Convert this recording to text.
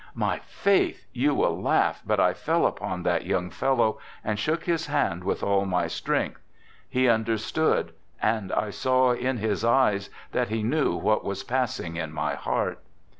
My faith! You will laugh, but I fell upon that young fellow, and shook his hand with all my strength. He understood, Digitized by THE GOOD SOLDIER" 29 and I saw in his eyes that he knew what was pass ing in my heart.